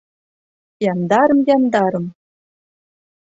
Яндарым-яндарым.